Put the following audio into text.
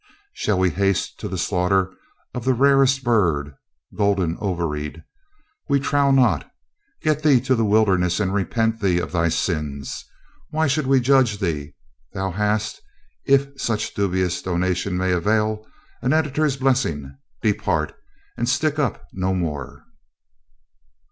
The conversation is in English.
Shall we haste to the slaughter of the rarest bird golden ovaried? We trow not. Get thee to the wilderness, and repent thee of thy sins. Why should we judge thee? Thou hast, if such dubious donation may avail, an editor's blessing. Depart, and "stick up" no more.